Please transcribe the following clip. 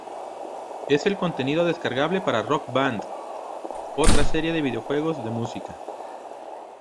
Es el contenido descargable para Rock Band, otra serie de videojuegos de música.